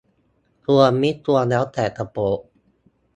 ควรมิควรแล้วแต่จะโปรด